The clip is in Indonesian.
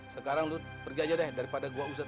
sekarang lu pergi aja deh daripada gue usir